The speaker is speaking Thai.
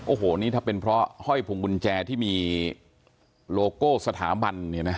โอ้โหนี่ถ้าเป็นเพราะห้อยพุงกุญแจที่มีโลโก้สถาบันเนี่ยนะ